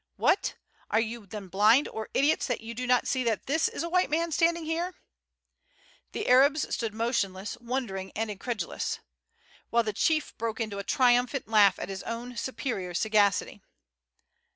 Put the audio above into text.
What! are you then blind or idiots that you do not see that this is a white man standing here?" The Arabs stood motionless, wondering and incredulous, while the chief broke into a triumphant laugh at his own superior sagacity.